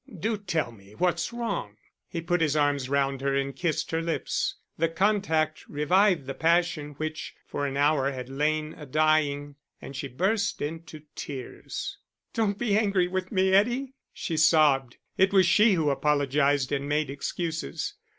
"Do tell me what's wrong." He put his arms round her and kissed her lips. The contact revived the passion which for an hour had lain a dying, and she burst into tears. "Don't be angry with me, Eddie," she sobbed; it was she who apologised and made excuses.